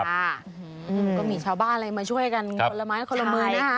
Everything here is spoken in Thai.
ก็มีชาวบ้านมาช่วยกันขนละไม้ขนละเมิน